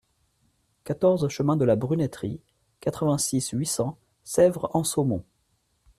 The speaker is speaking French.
quatorze chemin de la Brunetterie, quatre-vingt-six, huit cents, Sèvres-Anxaumont